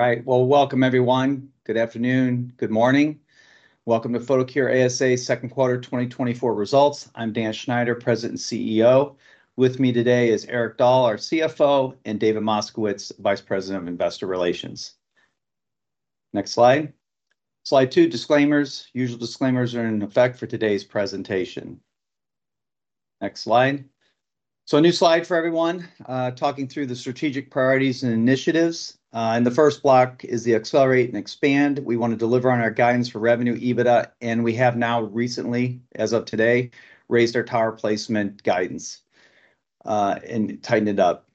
All right. Well, welcome everyone. Good afternoon. Good morning. Welcome to Photocure ASA second quarter 2024 results. I'm Dan Schneider, President and CEO. With me today is Erik Dahl, our CFO, and David Moskowitz, Vice President of Investor Relations. Next slide. Slide two: disclaimers. Usual disclaimers are in effect for today's presentation. Next slide. So a new slide for everyone, talking through the strategic priorities and initiatives. And the first block is the accelerate and expand. We want to deliver on our guidance for revenue, EBITDA, and we have now recently, as of today, raised our tower placement guidance, and tightened it up.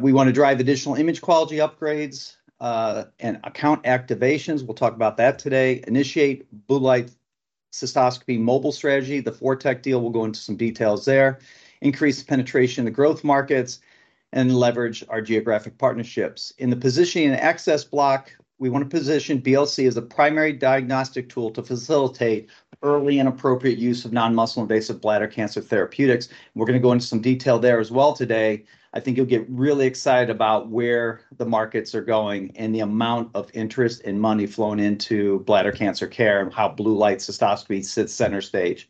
We want to drive additional image quality upgrades, and account activations. We'll talk about that today. Initiate blue light cystoscopy mobile strategy. The ForTec deal, we'll go into some details there, increase the penetration to growth markets and leverage our geographic partnerships. In the positioning and access block, we want to position BLC as a primary diagnostic tool to facilitate early and appropriate use of non-muscle invasive bladder cancer therapeutics. We're gonna go into some detail there as well today. I think you'll get really excited about where the markets are going and the amount of interest and money flowing into bladder cancer care, and how blue light cystoscopy sits center stage.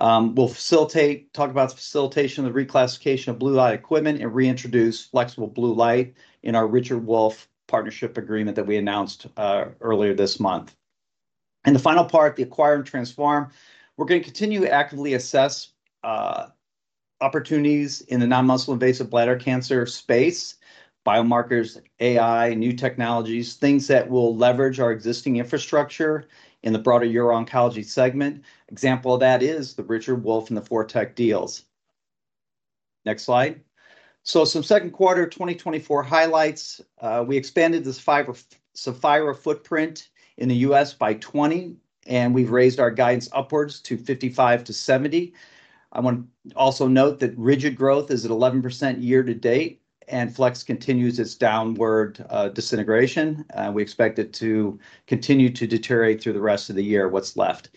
We'll talk about the facilitation, the reclassification of blue light equipment, and reintroduce flexible blue light in our Richard Wolf partnership agreement that we announced earlier this month. And the final part, the acquire and transform. We're gonna continue to actively assess opportunities in the non-muscle invasive bladder cancer space, biomarkers, AI, new technologies, things that will leverage our existing infrastructure in the broader uro-oncology segment. Example of that is the Richard Wolf and the ForTec deals. Next slide. So some second quarter 2024 highlights. We expanded the Sapphire, Sapphirefootprint in the U.S. by 20, and we've raised our guidance upwards to 55-70. I want to also note that rigid growth is at 11% year-to-date, and flex continues its downward disintegration. And we expect it to continue to deteriorate through the rest of the year, what's left.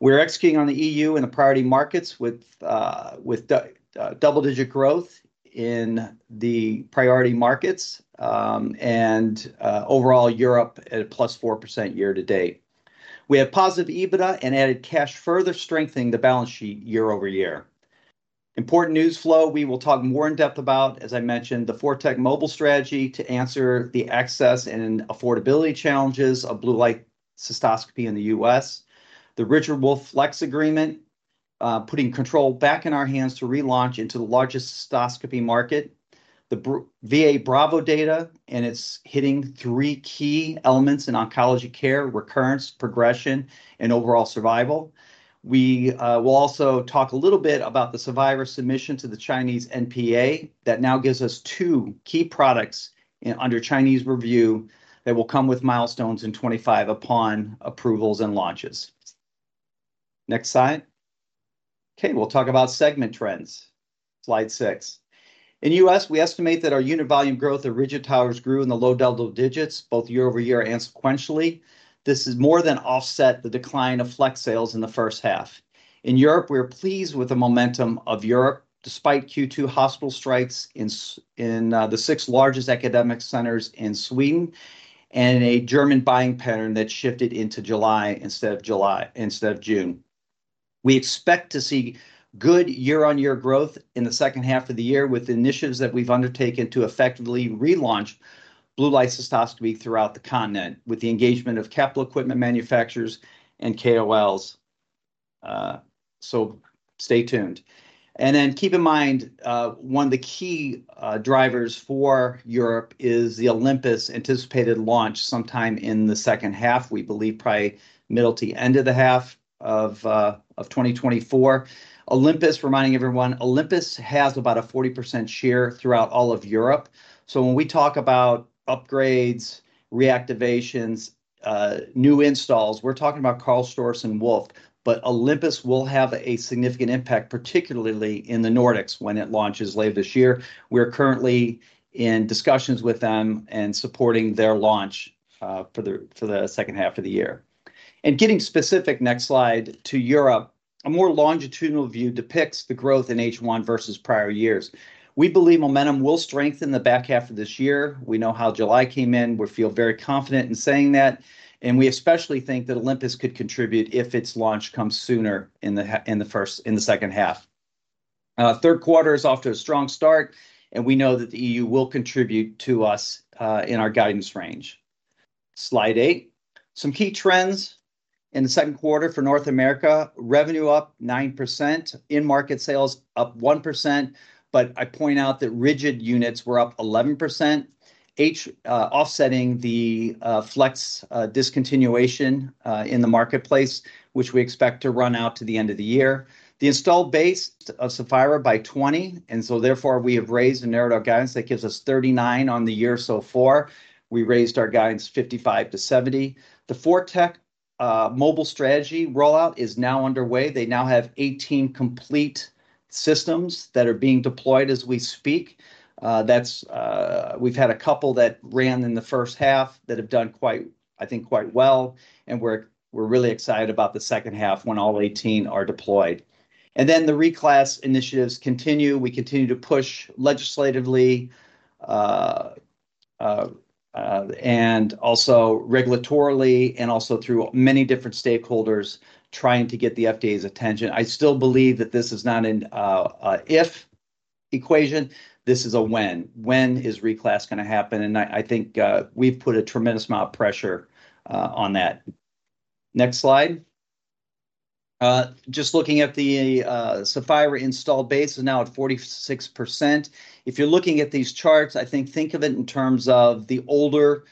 We're executing on the E.U. and the priority markets with double-digit growth in the priority markets. And overall, Europe at a +4% year-to-date. We had positive EBITDA and added cash, further strengthening the balance sheet year over year. Important news flow. We will talk more in depth about, as I mentioned, the ForTec mobile strategy to answer the access and affordability challenges of blue light cystoscopy in the US. The Richard Wolf flex agreement, putting control back in our hands to relaunch into the largest cystoscopy market. The VA BRAVO data, and it's hitting three key elements in oncology care: recurrence, progression, and overall survival. We will also talk a little bit about the Cevira submission to the Chinese NPA. That now gives us two key products in under Chinese review that will come with milestones in 25 upon approvals and launches. Next slide. Okay, we'll talk about segment trends. Slide six. In U.S., we estimate that our unit volume growth of rigid towers grew in the low double digits, both year over year and sequentially. This has more than offset the decline of flex sales in the first half. In Europe, we are pleased with the momentum of Europe despite Q2 hospital strikes in the six largest academic centers in Sweden, and a German buying pattern that shifted into July instead of June. We expect to see good year-on-year growth in the second half of the year, with initiatives that we've undertaken to effectively relaunch blue light cystoscopy throughout the continent, with the engagement of capital equipment manufacturers and KOLs. So stay tuned. Then keep in mind, one of the key drivers for Europe is the Olympus anticipated launch sometime in the second half, we believe probably middle to end of the half of 2024. Olympus, reminding everyone, Olympus has about a 40% share throughout all of Europe. So when we talk about upgrades, reactivations, new installs, we're talking about Karl Storz and Wolf. But Olympus will have a significant impact, particularly in the Nordics, when it launches later this year. We're currently in discussions with them and supporting their launch for the second half of the year. And getting specific, next slide, to Europe, a more longitudinal view depicts the growth in H1 versus prior years. We believe momentum will strengthen the back half of this year. We know how July came in. We feel very confident in saying that, and we especially think that Olympus could contribute if its launch comes sooner in the second half. Third quarter is off to a strong start, and we know that the E.U. will contribute to us in our guidance range. Slide eight. Some key trends in the second quarter for North America: revenue up 9%, in-market sales up 1%, but I point out that rigid units were up 11%, offsetting the flex discontinuation in the marketplace, which we expect to run out to the end of the year. The installed base of Saphira by 20, and so therefore, we have raised and narrowed our guidance. That gives us 39 on the year so far. We raised our guidance 55-70. The ForTec mobile strategy rollout is now underway. They now have 18 complete systems that are being deployed as we speak. We've had a couple that ran in the first half that have done quite, I think, quite well, and we're really excited about the second half when all 18 are deployed. And then the reclass initiatives continue. We continue to push legislatively and also regulatorily and also through many different stakeholders trying to get the FDA's attention. I still believe that this is not an a if equation, this is a when. When is reclass going to happen? And I think we've put a tremendous amount of pressure on that. Next slide. Just looking at the Saphira install base is now at 46%. If you're looking at these charts, I think of it in terms of the older,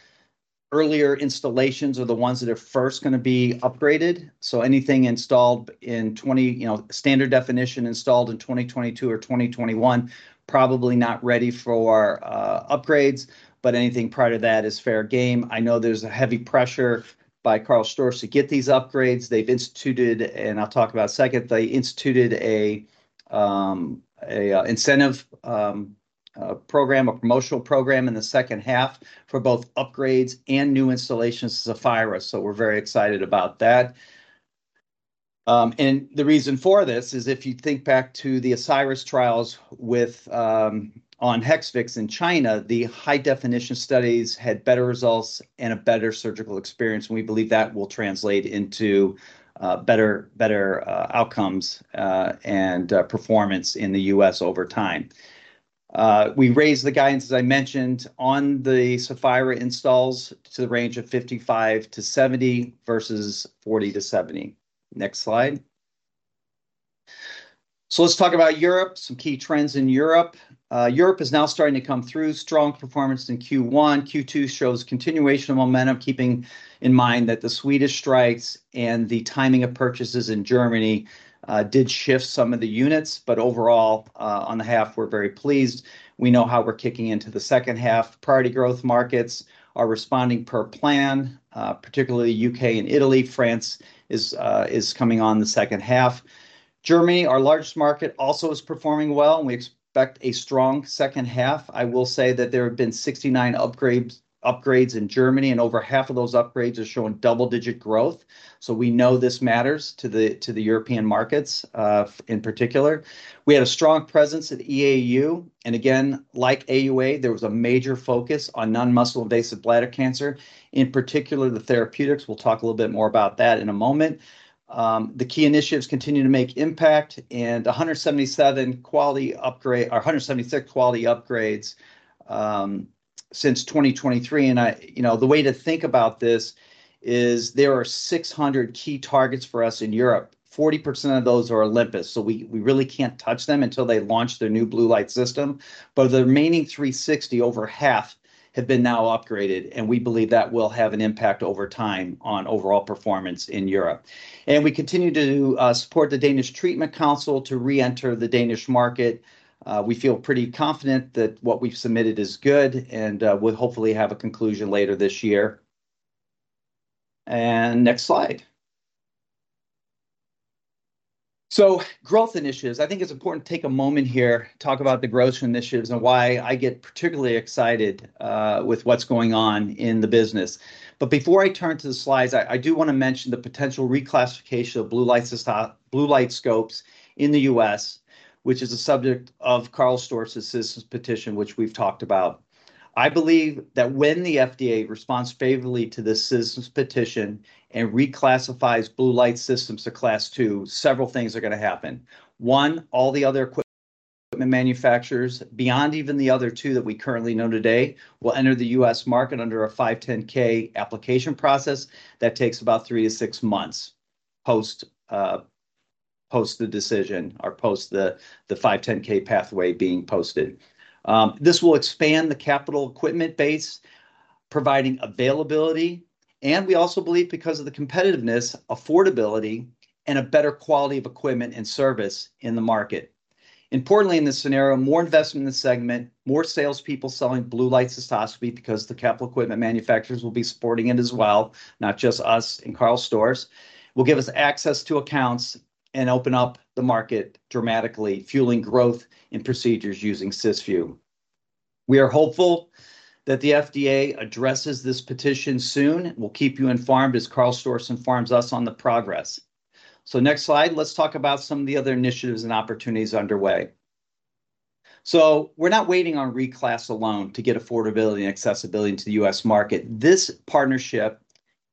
earlier installations are the ones that are first going to be upgraded. So anything installed in twenty- You know, standard definition, installed in 2022 or 2021, probably not ready for upgrades, but anything prior to that is fair game. I know there's a heavy pressure by Karl Storz to get these upgrades. They've instituted, and I'll talk about second, they instituted a incentive program, a promotional program in the second half for both upgrades and new installations as Saphira. So we're very excited about that. And the reason for this is, if you think back to the Asieris trials with on Hexvix in China, the high-definition studies had better results and a better surgical experience, and we believe that will translate into better, better outcomes and performance in the U.S. over time. We raised the guidance, as I mentioned, on the Saphira installs to the range of 55-70 versus 40-70. Next slide. So let's talk about Europe, some key trends in Europe. Europe is now starting to come through strong performance in Q1. Q2 shows continuation of momentum, keeping in mind that the Swedish strikes and the timing of purchases in Germany did shift some of the units, but overall, on the half, we're very pleased. We know how we're kicking into the second half. Priority growth markets are responding per plan, particularly UK and Italy. France is coming on in the second half. Germany, our largest market, also is performing well, and we expect a strong second half. I will say that there have been 69 upgrades in Germany, and over half of those upgrades are showing double-digit growth. So we know this matters to the European markets. In particular, we had a strong presence at EAU, and again, like AUA, there was a major focus on non-muscle invasive bladder cancer, in particular, the therapeutics. We'll talk a little bit more about that in a moment. The key initiatives continue to make impact, and 177 quality upgrade- or 176 quality upgrades since 2023. And I... You know, the way to think about this is there are 600 key targets for us in Europe. 40% of those are Olympus, so we, we really can't touch them until they launch their new blue light system. But the remaining 360, over half, have been now upgraded, and we believe that will have an impact over time on overall performance in Europe. And we continue to support the Danish Treatment Council to re-enter the Danish market. We feel pretty confident that what we've submitted is good, and we'll hopefully have a conclusion later this year. And next slide. So growth initiatives. I think it's important to take a moment here to talk about the growth initiatives and why I get particularly excited with what's going on in the business. But before I turn to the slides, I do want to mention the potential reclassification of blue light scopes in the US, which is a subject of Karl Storz's Citizens Petition, which we've talked about. I believe that when the FDA responds favorably to this Citizens Petition and reclassifies blue light systems to Class Two, several things are going to happen. One, all the other equipment manufacturers, beyond even the other two that we currently know today, will enter the U.S. market under a 510(k) application process that takes about 3-6 months post the decision, or post the 510(k) pathway being posted. This will expand the capital equipment base, providing availability, and we also believe, because of the competitiveness, affordability, and a better quality of equipment and service in the market. Importantly, in this scenario, more investment in the segment, more salespeople selling blue light cystoscopy because the capital equipment manufacturers will be supporting it as well, not just us and Karl Storz, will give us access to accounts and open up the market dramatically, fueling growth in procedures using Cysview. We are hopeful that the FDA addresses this petition soon. We'll keep you informed as Karl Storz informs us on the progress. So next slide, let's talk about some of the other initiatives and opportunities underway. So we're not waiting on reclass alone to get affordability and accessibility into the U.S. market. This partnership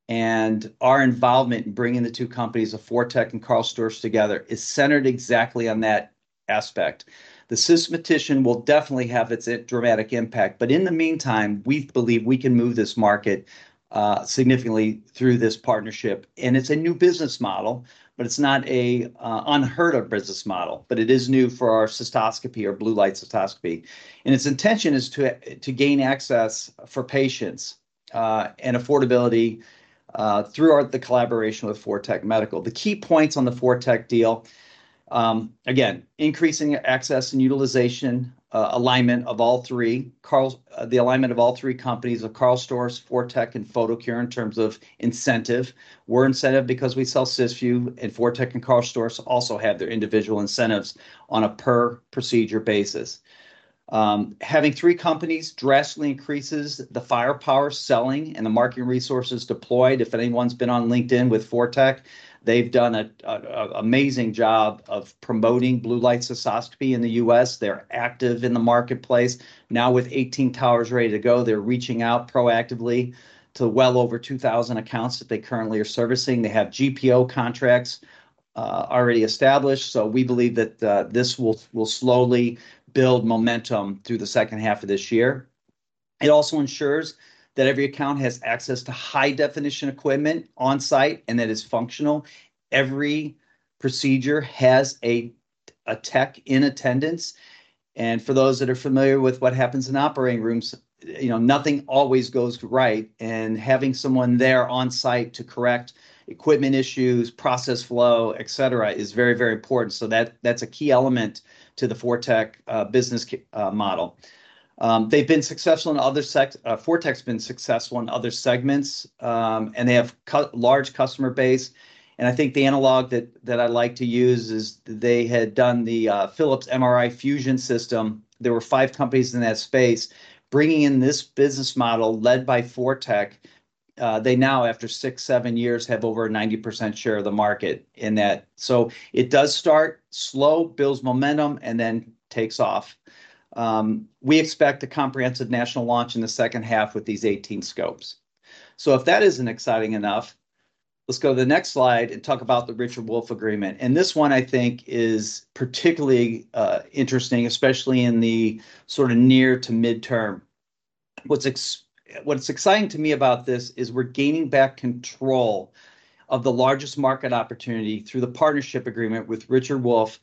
and our involvement in bringing the two companies of ForTec and Karl Storz together is centered exactly on that aspect. The Citizens Petition will definitely have its dramatic impact, but in the meantime, we believe we can move this market significantly through this partnership. It's a new business model, but it's not an unheard of business model. It is new for our cystoscopy or blue light cystoscopy, and its intention is to gain access for patients and affordability throughout the collaboration with ForTec Medical. The key points on the ForTec deal, again, increasing access and utilization, alignment of all three companies of Karl Storz, ForTec, and Photocure in terms of incentive. We're incentivized because we sell Cysview, and ForTec and Karl Storz also have their individual incentives on a per procedure basis. Having three companies drastically increases the firepower, selling, and the marketing resources deployed. If anyone's been on LinkedIn with ForTec, they've done an amazing job of promoting blue light cystoscopy in the US. They're active in the marketplace. Now, with 18 towers ready to go, they're reaching out proactively to well over 2,000 accounts that they currently are servicing. They have GPO contracts already established, so we believe that this will slowly build momentum through the second half of this year. It also ensures that every account has access to high-definition equipment on site, and that is functional. Every procedure has a tech in attendance, and for those that are familiar with what happens in operating rooms, you know, nothing always goes right, and having someone there on site to correct equipment issues, process flow, et cetera, is very, very important. So that, that's a key element to the ForTec business model. ForTec's been successful in other segments, and they have large customer base. I think the analog that I like to use is they had done the Philips MRI Fusion system. There were five companies in that space. Bringing in this business model led by ForTec, they now, after 6 years-7 years, have over a 90% share of the market in that. So it does start slow, builds momentum, and then takes off. We expect a comprehensive national launch in the second half with these 18 scopes. So if that isn't exciting enough, let's go to the next slide and talk about the Richard Wolf agreement. And this one, I think, is particularly interesting, especially in the sort of near to mid-term. What's exciting to me about this is we're gaining back control of the largest market opportunity through the partnership agreement with Richard Wolf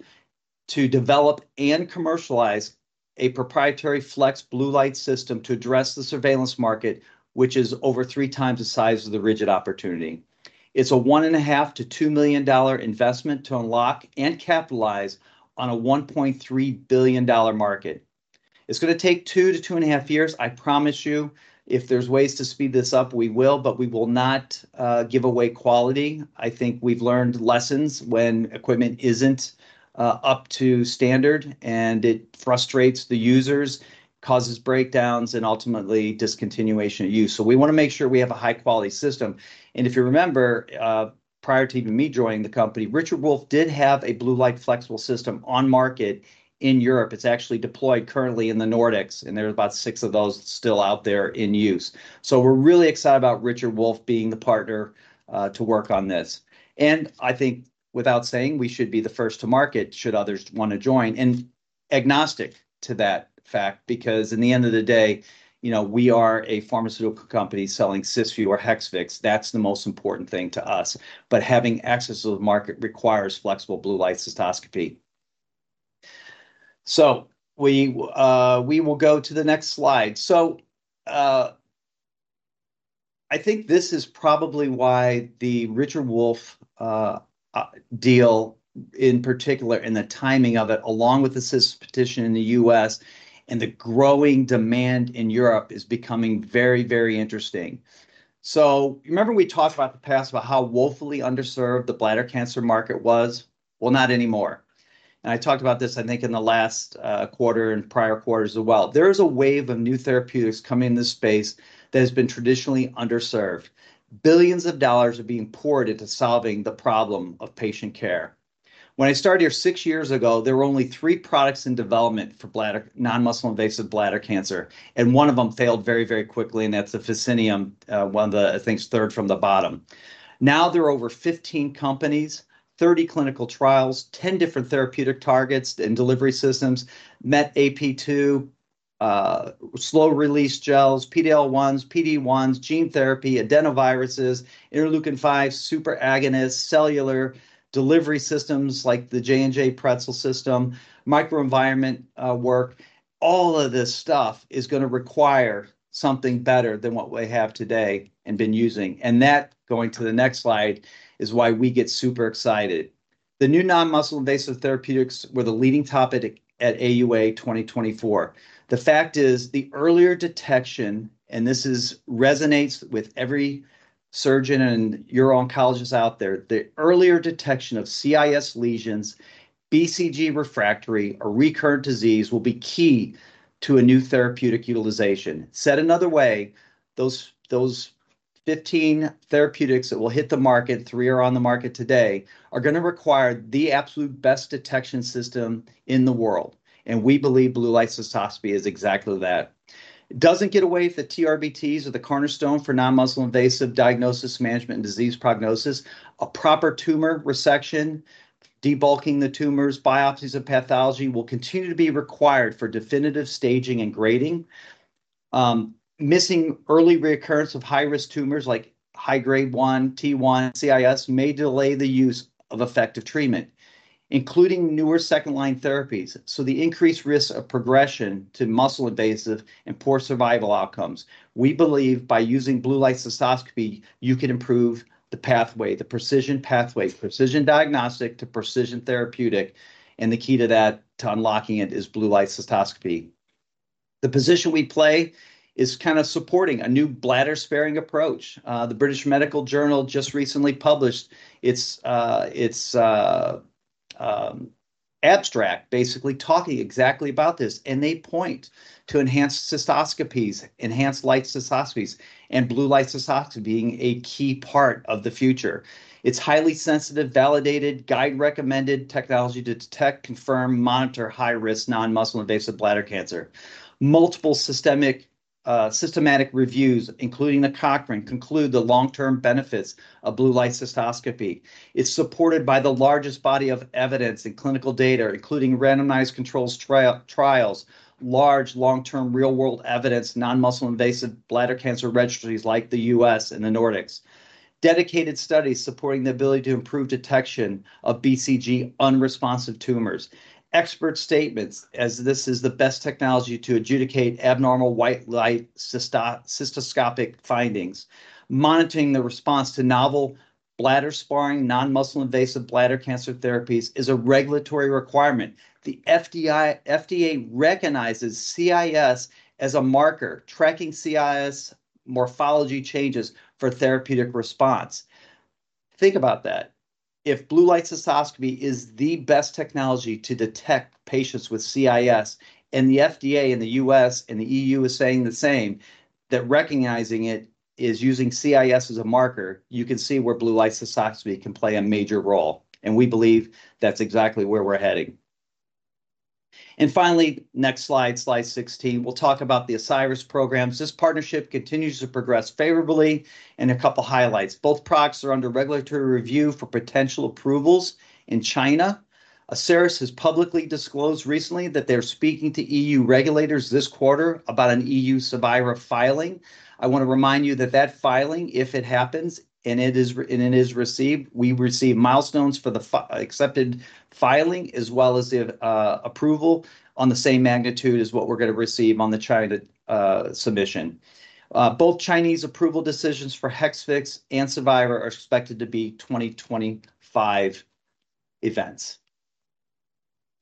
to develop and commercialize a proprietary flex blue light system to address the surveillance market, which is over three times the size of the rigid opportunity. It's a $1.5 million-$2 million investment to unlock and capitalize on a $1.3 billion market. It's gonna take 2 years-2.5 years. I promise you, if there's ways to speed this up, we will, but we will not give away quality. I think we've learned lessons when equipment isn't up to standard, and it frustrates the users, causes breakdowns, and ultimately discontinuation of use. So we wanna make sure we have a high-quality system. If you remember, prior to even me joining the company, Richard Wolf did have a blue light flexible system on market in Europe. It's actually deployed currently in the Nordics, and there are about six of those still out there in use. We're really excited about Richard Wolf being the partner to work on this. I think without saying, we should be the first to market, should others wanna join, and agnostic to that fact, because in the end of the day, you know, we are a pharmaceutical company selling Cysview or Hexvix. That's the most important thing to us. Having access to the market requires flexible blue light cystoscopy. We will go to the next slide. So, I think this is probably why the Richard Wolf deal, in particular, and the timing of it, along with the Citizens Petition in the U.S. and the growing demand in Europe, is becoming very, very interesting. So remember we talked about the past about how woefully underserved the bladder cancer market was? Well, not anymore. And I talked about this, I think, in the last quarter and prior quarters as well. There is a wave of new therapeutics coming in this space that has been traditionally underserved. Billions of dollars are being poured into solving the problem of patient care. When I started here six years ago, there were only three products in development for non-muscle invasive bladder cancer, and one of them failed very, very quickly, and that's the Vicinium, one of the, I think it's third from the bottom. Now, there are over 15 companies, 30 clinical trials, 10 different therapeutic targets and delivery systems, MetAP2, slow-release gels, PDL-1s, PD-1s, gene therapy, adenoviruses, interleukin-5, super agonists, cellular delivery systems like the J&J Pretzel System, microenvironment work. All of this stuff is gonna require something better than what we have today and been using, and that, going to the next slide, is why we get super excited. The new non-muscle invasive therapeutics were the leading topic at AUA 2024. The fact is, the earlier detection, and this resonates with every surgeon and uro-oncologist out there, the earlier detection of CIS lesions, BCG refractory or recurrent disease will be key to a new therapeutic utilization. Said another way, those, those 15 therapeutics that will hit the market, three are on the market today, are gonna require the absolute best detection system in the world, and we believe Blue Light Cystoscopy is exactly that. It doesn't get away with the TRBTs or the cornerstone for non-muscle invasive diagnosis, management, and disease prognosis. A proper tumor resection, debulking the tumors, biopsies, and pathology will continue to be required for definitive staging and grading. Missing early recurrence of high-risk tumors like high grade one, T1, CIS may delay the use of effective treatment, including newer second-line therapies, so the increased risk of progression to muscle-invasive and poor survival outcomes. We believe by using Blue Light Cystoscopy, you can improve the pathway, the precision pathway, precision diagnostic to precision therapeutic, and the key to that, to unlocking it is Blue Light Cystoscopy. The position we play is kind of supporting a new bladder-sparing approach. The British Medical Journal just recently published its abstract, basically talking exactly about this, and they point to enhanced cystoscopies, enhanced light cystoscopies, and blue light cystoscopy being a key part of the future. It's highly sensitive, validated, guide-recommended technology to detect, confirm, monitor high-risk non-muscle invasive bladder cancer. Multiple systematic reviews, including the Cochrane, conclude the long-term benefits of blue light cystoscopy. It's supported by the largest body of evidence in clinical data, including randomized control trials, large, long-term, real-world evidence, non-muscle invasive bladder cancer registries like the U.S. and the Nordics. Dedicated studies supporting the ability to improve detection of BCG unresponsive tumors. Expert statements, as this is the best technology to adjudicate abnormal white light cystoscopic findings. Monitoring the response to novel bladder-sparing, non-muscle invasive bladder cancer therapies is a regulatory requirement. The FDA recognizes CIS as a marker, tracking CIS morphology changes for therapeutic response. Think about that. If blue light cystoscopy is the best technology to detect patients with CIS, and the FDA in the U.S.. and the EU is saying the same, that recognizing it is using CIS as a marker, you can see where blue light cystoscopy can play a major role, and we believe that's exactly where we're heading. And finally, next slide, slide 16, we'll talk about the Asieris programs. This partnership continues to progress favorably, and a couple highlights. Both products are under regulatory review for potential approvals in China. Asieris has publicly disclosed recently that they're speaking to EU regulators this quarter about an EU Cevira filing. I want to remind you that that filing, if it happens, and it is received, we receive milestones for the accepted filing, as well as the approval on the same magnitude as what we're going to receive on the China submission. Both Chinese approval decisions for Hexvix and Cevira are expected to be 2025 events.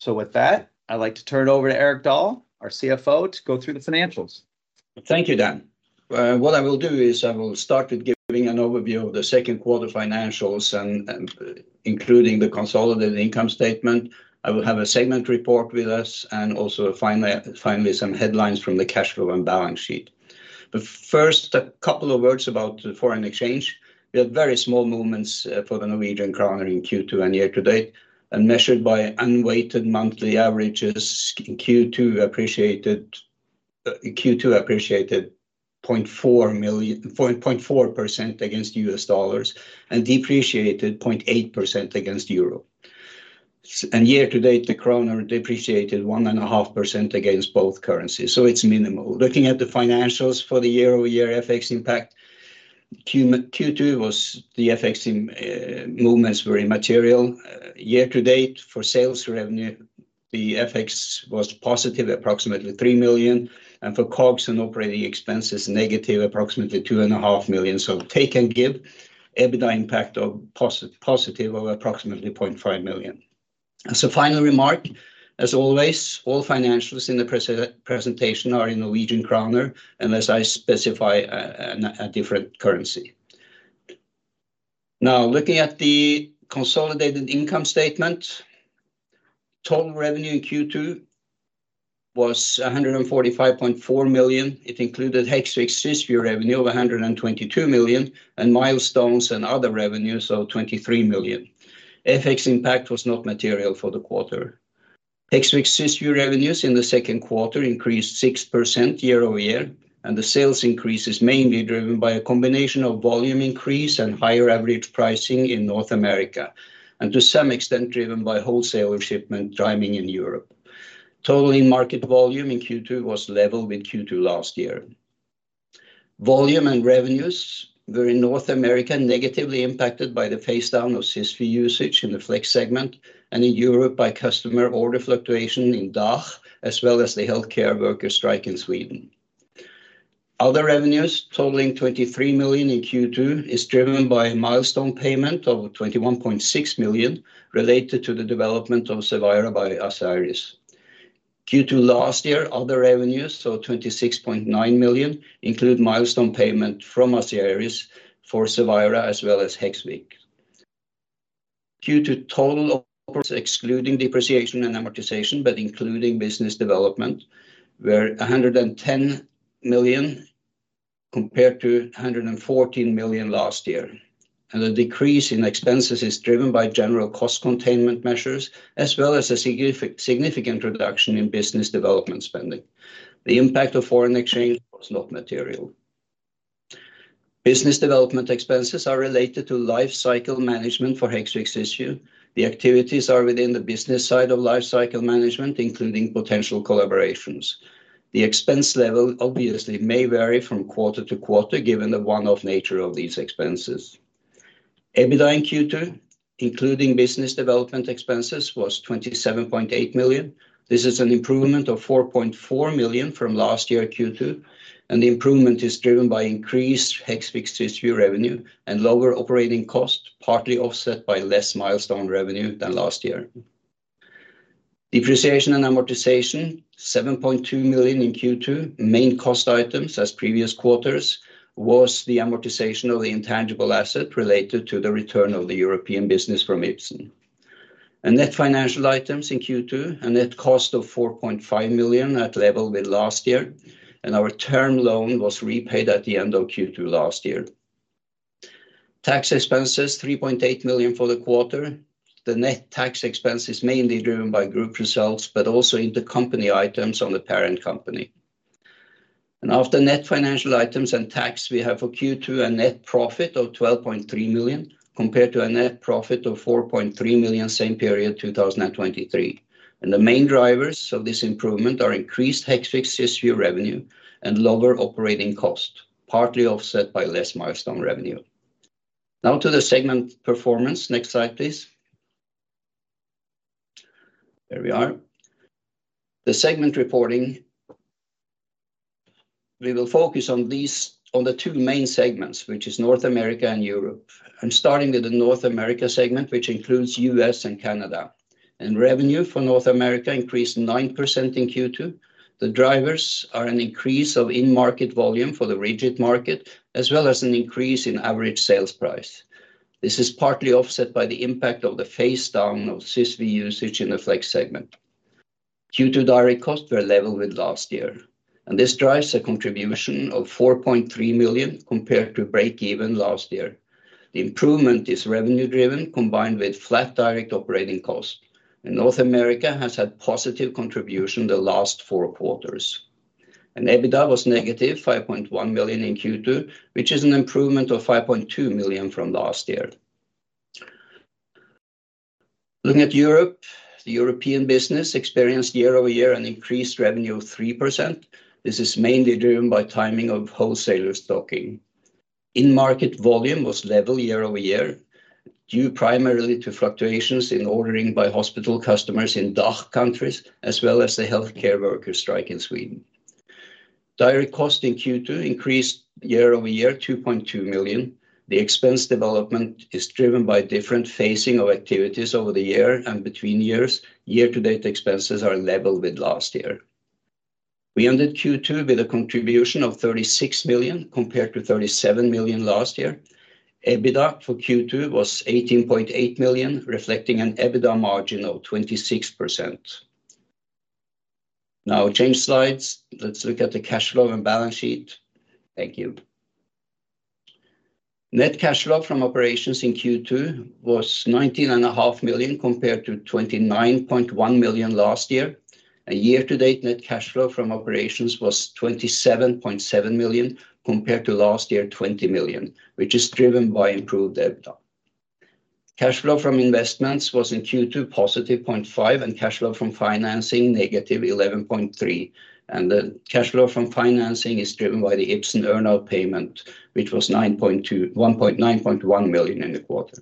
So with that, I'd like to turn it over to Erik Dahl, our CFO, to go through the financials. Thank you, Dan. What I will do is I will start with giving an overview of the second quarter financials and including the consolidated income statement. I will have a segment report with us, and also, finally, some headlines from the cash flow and balance sheet. But first, a couple of words about the foreign exchange. We have very small movements for the Norwegian kroner in Q2 and year-to-date, and measured by unweighted monthly averages, Q2 appreciated 0.4% against U.S. dollars, and depreciated 0.8% against euro. Year-to-date, the kroner depreciated 1.5% against both currencies, so it's minimal. Looking at the financials for the year-over-year FX impact, Q2, the FX movements were immaterial. Year-to-date for sales revenue, the FX was positive, approximately 3 million, and for COGS and operating expenses, negative, approximately 2.5 million. So take and give, EBITDA impact of positive approximately 0.5 million. So final remark, as always, all financials in the presentation are in Norwegian kroner, unless I specify a different currency. Now, looking at the consolidated income statement, total revenue in Q2 was 145.4 million. It included Hexvix/Cysview revenue of 122 million, and milestones and other revenues, so 23 million. FX impact was not material for the quarter. Hexvix/Cysview revenues in the second quarter increased 6% year-over-year, and the sales increase is mainly driven by a combination of volume increase and higher average pricing in North America, and to some extent, driven by wholesaler shipment timing in Europe. Total in-market volume in Q2 was level with Q2 last year. Volume and revenues were in North America, negatively impacted by the phase down of Cysview usage in the Flex segment, and in Europe by customer order fluctuation in DACH, as well as the healthcare worker strike in Sweden. Other revenues, totaling 23 million in Q2, is driven by a milestone payment of 21.6 million related to the development of Cevira by Asieris. Q2 last year, other revenues, so 26.9 million, include milestone payment from Asieris for Cevira, as well as Hexvix. Q2 total, excluding depreciation and amortization, but including business development, were 110 million, compared to 114 million last year. The decrease in expenses is driven by general cost containment measures, as well as a significant, significant reduction in business development spending. The impact of foreign exchange was not material. Business development expenses are related to life cycle management for Hexvix issue. The activities are within the business side of life cycle management, including potential collaborations. The expense level, obviously, may vary from quarter to quarter, given the one-off nature of these expenses. EBITDA in Q2, including business development expenses, was 27.8 million. This is an improvement of 4.4 million from last year Q2, and the improvement is driven by increased Hexvix revenue and lower operating costs, partly offset by less milestone revenue than last year. Depreciation and amortization, 7.2 million in Q2. Main cost items, as previous quarters, was the amortization of the intangible asset related to the return of the European business from Ipsen. Net financial items in Q2, a net cost of 4.5 million at level with last year, and our term loan was repaid at the end of Q2 last year. Tax expenses, 3.8 million for the quarter. The net tax expense is mainly driven by group results, but also intercompany items on the parent company. After net financial items and tax, we have for Q2 a net profit of 12.3 million, compared to a net profit of 4.3 million same period, 2023. The main drivers of this improvement are increased Hexvix/Cysview revenue and lower operating cost, partly offset by less milestone revenue. Now to the segment performance. Next slide, please. There we are. The segment reporting, we will focus on these on the two main segments, which is North America and Europe. I'm starting with the North America segment, which includes U.S. and Canada. And revenue for North America increased 9% in Q2. The drivers are an increase of in-market volume for the rigid market, as well as an increase in average sales price. This is partly offset by the impact of the phase-down of Cysview usage in the Flex segment. Q2 direct costs were level with last year, and this drives a contribution of 4.3 million compared to breakeven last year. The improvement is revenue-driven, combined with flat direct operating costs, and North America has had positive contribution the last four quarters. EBITDA was -5.1 million in Q2, which is an improvement of 5.2 million from last year. Looking at Europe, the European business experienced year-over-year an increased revenue of 3%. This is mainly driven by timing of wholesaler stocking. In-market volume was level year over year, due primarily to fluctuations in ordering by hospital customers in DACH countries, as well as the healthcare worker strike in Sweden. Direct costs in Q2 increased year over year, 2.2 million. The expense development is driven by different phasing of activities over the year and between years. Year-to-date expenses are level with last year. We ended Q2 with a contribution of 36 million, compared to 37 million last year. EBITDA for Q2 was 18.8 million, reflecting an EBITDA margin of 26%. Now, change slides. Let's look at the cash flow and balance sheet. Thank you. Net cash flow from operations in Q2 was 19.5 million, compared to 29.1 million last year. Year-to-date, net cash flow from operations was 27.7 million, compared to last year, 20 million, which is driven by improved EBITDA. Cash flow from investments was, in Q2, positive 0.5, and cash flow from financing, negative 11.3. The cash flow from financing is driven by the Ipsen earn out payment, which was nine point one million in the quarter.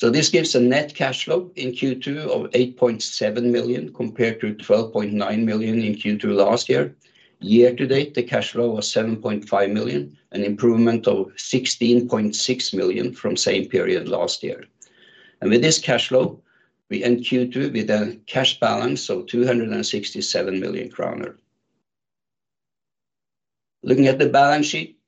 This gives a net cash flow in Q2 of 8.7 million, compared to 12.9 million in Q2 last year. Year to date, the cash flow was 7.5 million, an improvement of 16.6 million from same period last year. And with this cash flow, we end Q2 with a cash balance of 267 million kroner. Looking at the balance sheet,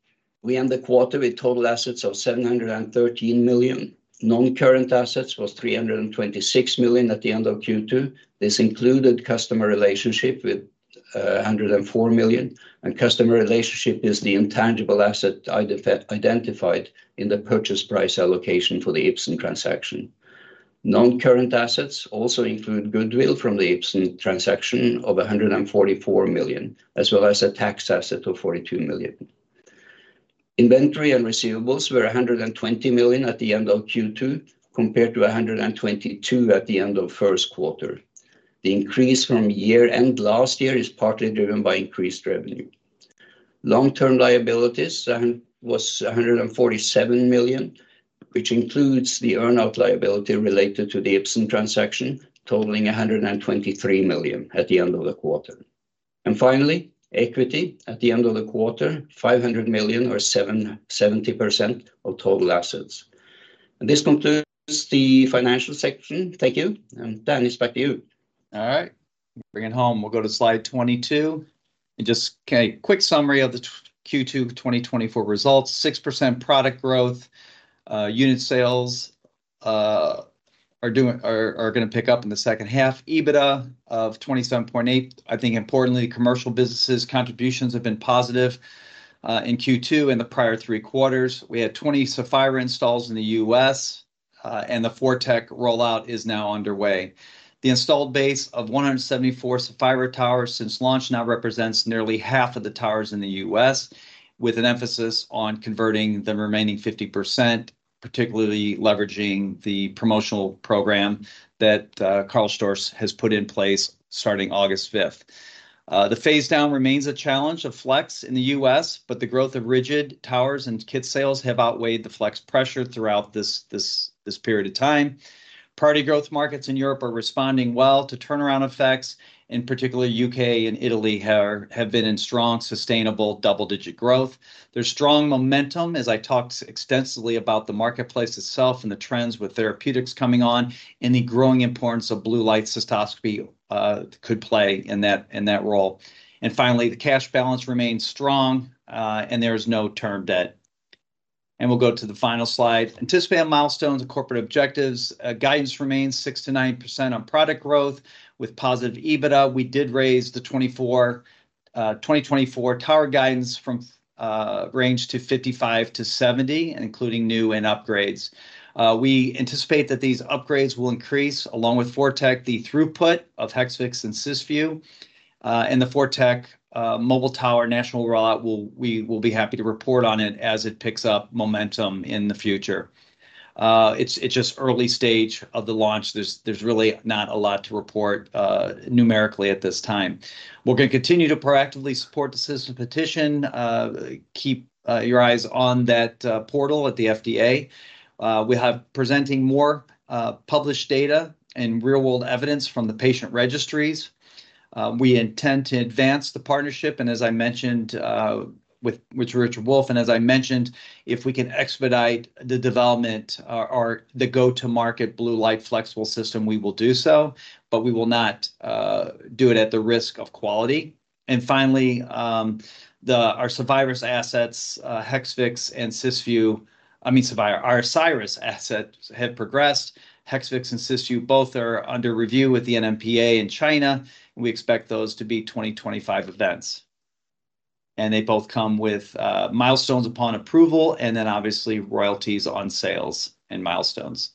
we end the quarter with total assets of 713 million. Non-current assets was 326 million at the end of Q2. This included customer relationship with a hundred and four million, and customer relationship is the intangible asset identified in the purchase price allocation for the Ipsen transaction. Non-current assets also include goodwill from the Ipsen transaction of 144 million, as well as a tax asset of 42 million. Inventory and receivables were 120 million at the end of Q2, compared to 122 million at the end of first quarter. The increase from year-end last year is partly driven by increased revenue. Long-term liabilities was 147 million, which includes the earn out liability related to the Ipsen transaction, totaling 123 million at the end of the quarter. And finally, equity at the end of the quarter, 500 million or 77% of total assets. And this concludes the financial section. Thank you. And Dan, it's back to you. All right, bring it home. We'll go to slide 22. Just a quick summary of the Q2 of 2024 results: 6% product growth, unit sales are gonna pick up in the second half. EBITDA of 27.8. I think importantly, commercial businesses' contributions have been positive, in Q2 and the prior three quarters. We had 20 Saphira installs in the U.S., and the ForTec rollout is now underway. The installed base of 174 Saphira towers since launch now represents nearly half of the towers in the US, with an emphasis on converting the remaining 50%, particularly leveraging the promotional program that, Karl Storz has put in place starting August 5th. The phase down remains a challenge of Flex in the U.S., but the growth of rigid towers and kit sales have outweighed the Flex pressure throughout this period of time. Priority growth markets in Europe are responding well to turnaround effects. In particular, U.K. and Italy have been in strong, sustainable, double-digit growth. There's strong momentum, as I talked extensively about the marketplace itself and the trends with therapeutics coming on, and the growing importance of blue light cystoscopy could play in that role. And finally, the cash balance remains strong, and there is no term debt. We'll go to the final slide. Anticipated milestones and corporate objectives. Guidance remains 6%-9% on product growth with positive EBITDA. We did raise the 2024 tower guidance from range to 55-70, including new and upgrades. We anticipate that these upgrades will increase, along with ForTec, the throughput of Hexvix and Cysview, and the ForTec mobile tower national rollout. We will be happy to report on it as it picks up momentum in the future. It's just early stage of the launch. There's really not a lot to report numerically at this time. We're gonna continue to proactively support the Citizens Petition. Keep your eyes on that portal at the FDA. We have presenting more published data and real-world evidence from the patient registries. We intend to advance the partnership, and as I mentioned, with Richard Wolf, and as I mentioned, if we can expedite the development or the go-to-market blue light flexible system, we will do so, but we will not do it at the risk of quality. And finally, our Asieris assets, Hexvix and Cysview. I mean, our Asieris assets have progressed. Hexvix and Cysview both are under review with the NMPA in China. We expect those to be 2025 events, and they both come with milestones upon approval, and then obviously royalties on sales and milestones.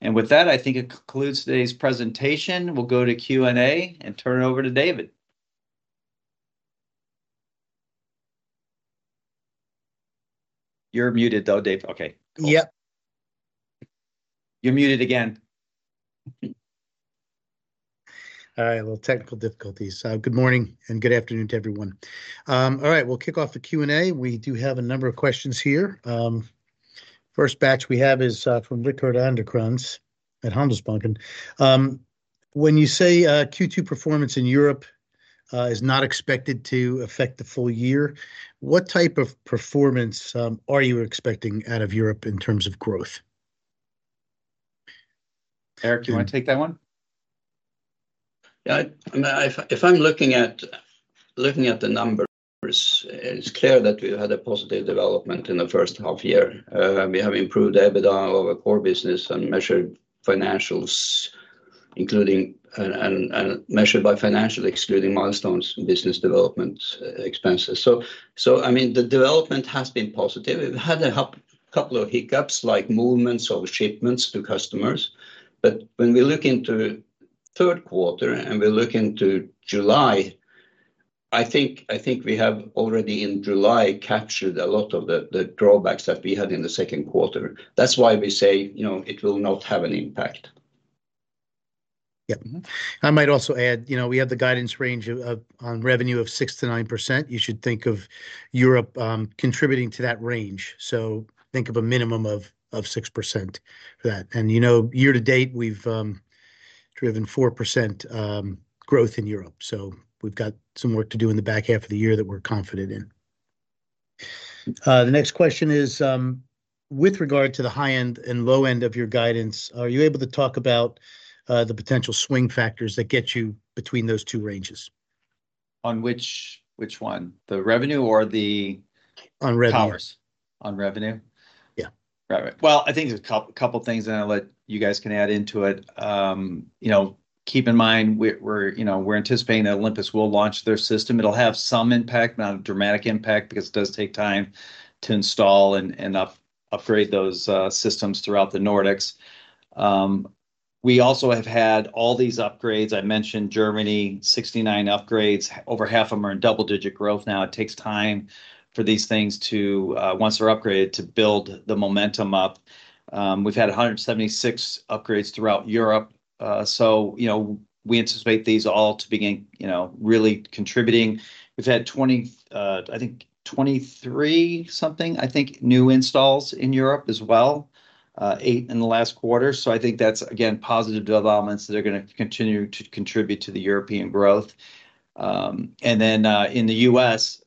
And with that, I think it concludes today's presentation. We'll go to Q&A and turn it over to David. You're muted, though, Dave. Okay, cool. Yep. You're muted again. All right. A little technical difficulties. Good morning and good afternoon to everyone. All right, we'll kick off the Q&A. We do have a number of questions here. First batch we have is from Rickard Anderkrantz at Handelsbanken. When you say Q2 performance in Europe is not expected to affect the full year, what type of performance are you expecting out of Europe in terms of growth? Erik, do you want to take that one? Yeah, if I'm looking at the numbers, it's clear that we had a positive development in the first half year. We have improved EBITDA of our core business and measured financials, including, and measured by financial, excluding milestones and business development expenses. So, I mean, the development has been positive. We've had a couple of hiccups, like movements of shipments to customers. But when we look into third quarter, and we look into July, I think we have already, in July, captured a lot of the drawbacks that we had in the second quarter. That's why we say, you know, it will not have an impact. Yep. I might also add, you know, we had the guidance range of on revenue of 6%-9%. You should think of Europe contributing to that range, so think of a minimum of 6% for that. And, you know, year to date, we've driven 4% growth in Europe, so we've got some work to do in the back half of the year that we're confident in. The next question is, with regard to the high end and low end of your guidance, are you able to talk about the potential swing factors that get you between those two ranges? On which, which one? The revenue or the- On revenue ... towers? On revenue. Yeah. Right. Well, I think there's a couple of things, and I'll let you guys can add into it. You know, keep in mind, we're you know, we're anticipating that Olympus will launch their system. It'll have some impact, not a dramatic impact, because it does take time to install and upgrade those systems throughout the Nordics. We also have had all these upgrades. I mentioned Germany, 69 upgrades. Over half of them are in double-digit growth now. It takes time for these things to, once they're upgraded, to build the momentum up. We've had 176 upgrades throughout Europe, so you know, we anticipate these all to begin you know, really contributing. We've had 20, I think, 23 something, I think, new installs in Europe as well, 8 in the last quarter. So I think that's, again, positive developments that are gonna continue to contribute to the European growth. Then, in the US,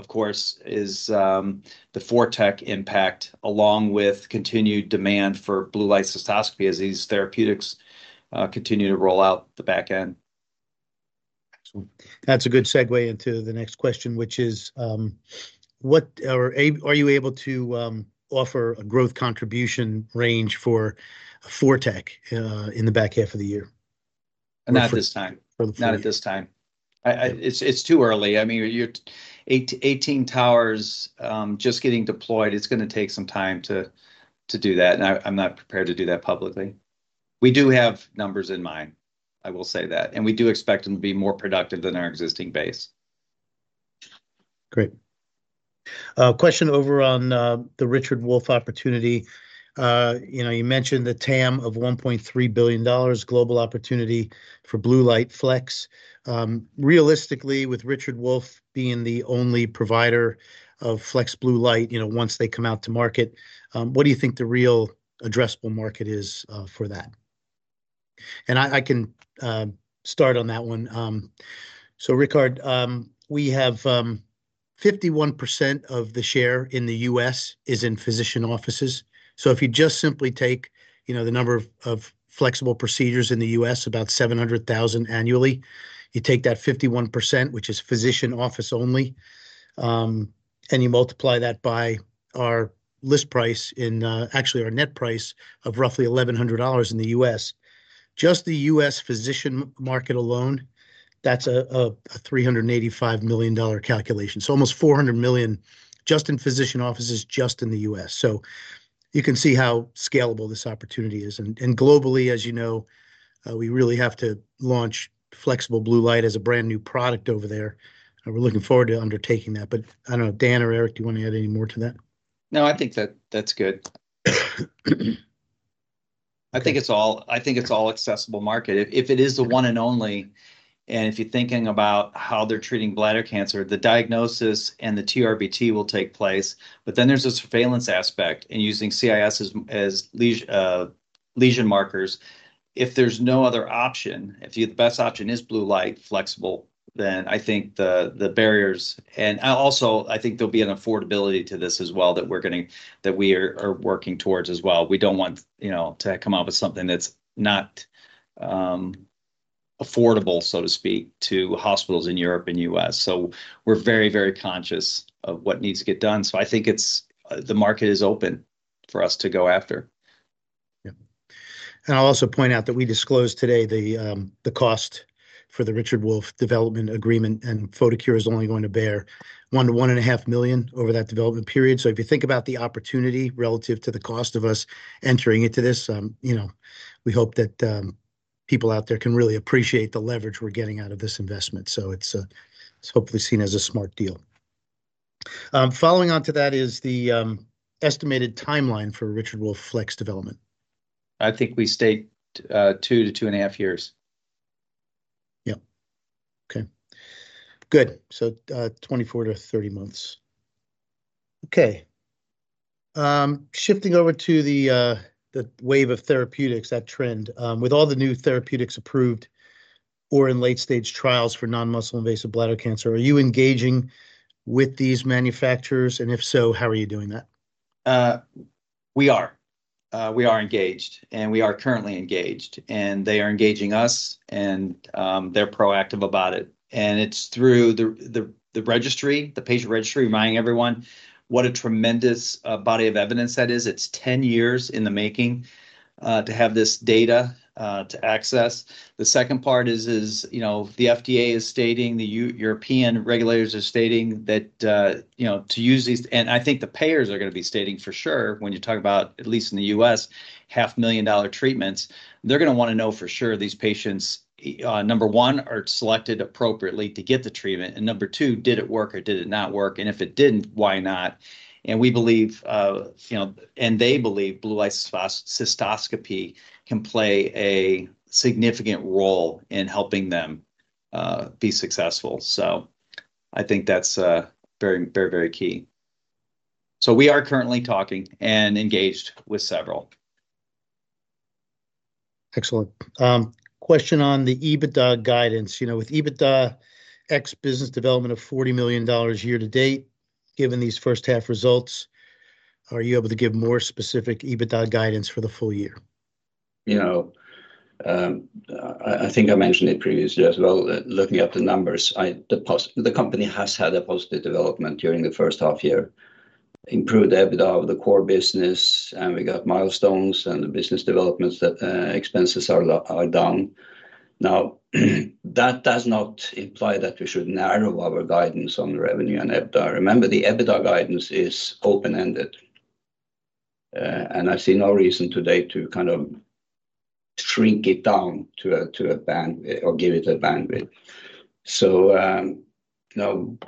of course, is the ForTec impact, along with continued demand for blue light cystoscopy as these therapeutics continue to roll out the back end. Excellent. That's a good segue into the next question, which is, are you able to offer a growth contribution range for ForTec in the back half of the year? Not at this time. For the- Not at this time. Yeah. It's too early. I mean, you're 18, 18 towers, just getting deployed, it's gonna take some time to do that, and I'm not prepared to do that publicly. We do have numbers in mind, I will say that, and we do expect them to be more productive than our existing base. Great. Question over on the Richard Wolf opportunity. You know, you mentioned the TAM of $1.3 billion global opportunity for Blue Light Flex. Realistically, with Richard Wolf being the only provider of flex blue light, you know, once they come out to market, what do you think the real addressable market is, for that? And I can start on that one. So Rickard, we have 51% of the share in the U.S. is in physician offices, so if you just simply take, you know, the number of flexible procedures in the U.S., about 700,000 annually, you take that 51%, which is physician office only, and you multiply that by our list price in, actually, our net price of roughly $1,100 in the US. Just the U.S. physician market alone, that's a $385 million calculation. So almost $400 million just in physician offices, just in the U.S.. So you can see how scalable this opportunity is. And globally, as you know, we really have to launch flexible blue light as a brand-new product over there, and we're looking forward to undertaking that. But I don't know, Dan or Erik, do you want to add any more to that? No, I think that, that's good. I think it's all accessible market. If it is the one and only, and if you're thinking about how they're treating bladder cancer, the diagnosis and the TRBT will take place, but then there's a surveillance aspect, and using CIS as lesion markers. If there's no other option, if the best option is blue light flexible, then I think the barriers. And I also think there'll be an affordability to this as well that we're gonna - that we are working towards as well. We don't want, you know, to come up with something that's not affordable, so to speak, to hospitals in Europe and U.S. So we're very, very conscious of what needs to get done. So I think it's the market is open for us to go after. Yeah. I'll also point out that we disclosed today the cost for the Richard Wolf development agreement, and Photocure is only going to bear 1 million-1.5 million over that development period. So if you think about the opportunity relative to the cost of us entering into this, you know, we hope that people out there can really appreciate the leverage we're getting out of this investment. So it's, it's hopefully seen as a smart deal. Following on to that is the estimated timeline for Richard Wolf flex development. I think we stayed 2 years-2.5 years. Yeah. Okay, good. So, 24 months-30 months. Okay, shifting over to the wave of therapeutics, that trend. With all the new therapeutics approved or in late-stage trials for non-muscle invasive bladder cancer, are you engaging with these manufacturers, and if so, how are you doing that? We are engaged, and we are currently engaged, and they are engaging us, and they're proactive about it, and it's through the registry, the patient registry, reminding everyone what a tremendous body of evidence that is. It's 10 years in the making, to have this data to access. The second part is, you know, the FDA is stating, the European regulators are stating that, you know, to use these... And I think the payers are gonna be stating for sure, when you talk about, at least in the U.S., $500,000 treatments, they're gonna wanna know for sure these patients, number one, are selected appropriately to get the treatment, and number two, did it work or did it not work? And if it didn't, why not? And we believe, you know, and they believe blue light cystoscopy can play a significant role in helping them be successful. So I think that's very, very, very key. So we are currently talking and engaged with several. Excellent. Question on the EBITDA guidance. You know, with EBITDA, ex business development of $40 million year to date, given these first half results, are you able to give more specific EBITDA guidance for the full year? You know, I think I mentioned it previously as well, that looking at the numbers, the company has had a positive development during the first half year. Improved EBITDA of the core business, and we got milestones and the business developments that expenses are down. Now, that does not imply that we should narrow our guidance on revenue and EBITDA. Remember, the EBITDA guidance is open-ended, and I see no reason today to kind of shrink it down to a band or give it a bandwidth. So, no,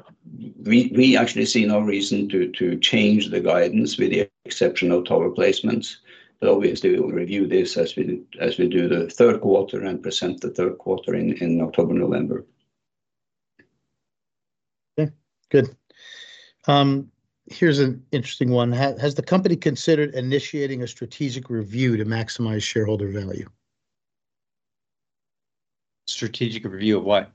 we actually see no reason to change the guidance with the exception of total replacements. But obviously, we'll review this as we do the third quarter and present the third quarter in October, November. Okay, good. Here's an interesting one: Has the company considered initiating a strategic review to maximize shareholder value? Strategic review of what?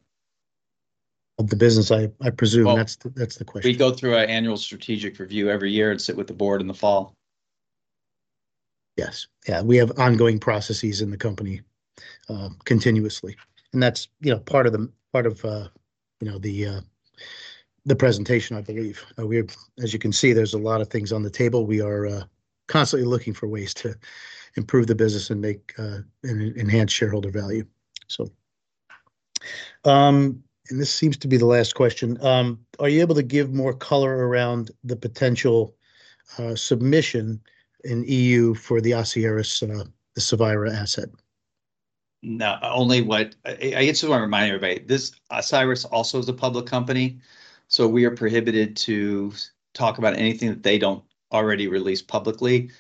Of the business, I presume. Oh. That's the, that's the question. We go through our annual strategic review every year and sit with the board in the fall. Yes, yeah, we have ongoing processes in the company continuously, and that's, you know, part of you know, the presentation, I believe. As you can see, there's a lot of things on the table. We are constantly looking for ways to improve the business and make and enhance shareholder value. So, and this seems to be the last question: are you able to give more color around the potential submission in E.U. for the Asieris, the Cevira asset? No, only what... I just wanna remind everybody, this, Asieris also is a public company, so we are prohibited to talk about anything that they don't already release publicly.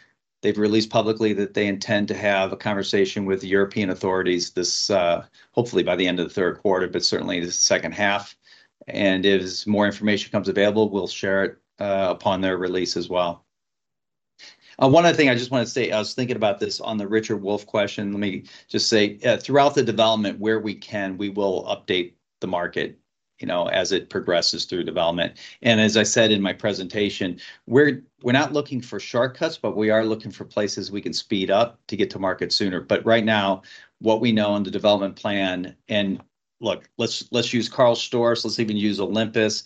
They've released publicly that they intend to have a conversation with the European authorities this, hopefully, by the end of the third quarter, but certainly the second half, and as more information comes available, we'll share it, upon their release as well. One other thing I just want to say, I was thinking about this on the Richard Wolf question. Let me just say, throughout the development, where we can, we will update the market, you know, as it progresses through development. And as I said in my presentation, we're not looking for shortcuts, but we are looking for places we can speed up to get to market sooner. But right now, what we know on the development plan, and, look, let's use Carl Zeiss, let's even use Olympus,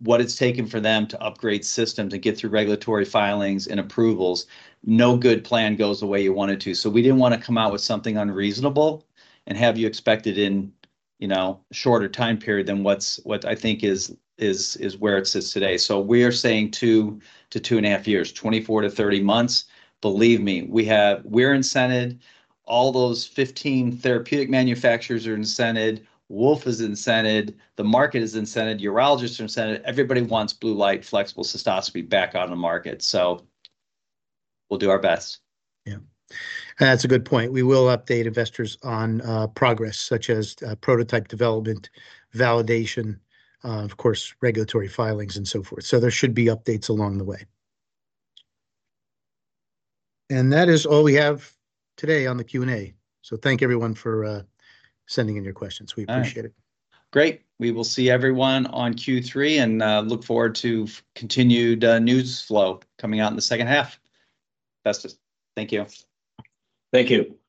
what it's taken for them to upgrade systems and get through regulatory filings and approvals, no good plan goes the way you want it to. So we didn't wanna come out with something unreasonable, and have you expected in, you know, a shorter time period than what I think is where it sits today. So we are saying 2-2.5 years, 24-30 months. Believe me, we're incented, all those 15 therapeutic manufacturers are incented, Wolf is incented, the market is incented, urologists are incented, everybody wants blue light flexible cystoscopy back on the market. So we'll do our best. Yeah, and that's a good point. We will update investors on progress, such as prototype development, validation, of course, regulatory filings, and so forth. So there should be updates along the way. And that is all we have today on the Q&A. So thank everyone for sending in your questions. All right. We appreciate it. Great! We will see everyone on Q3, and look forward to continued news flow coming out in the second half. Investors, thank you. Thank you.